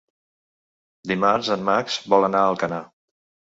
Dimarts en Max vol anar a Alcanar.